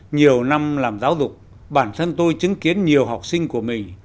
nhiều năm làm giáo dục bản thân tôi chứng kiến nhiều học sinh của mình